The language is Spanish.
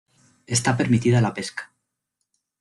Está permitida la pesca.